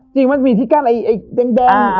จริงมันมีที่กั้นไอ้แดง